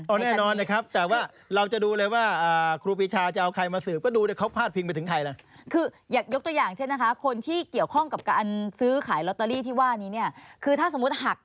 ธนาธนาธนาธนาธนาธนาธนาธนาธนาธนาธนาธนาธนาธนาธนาธนาธ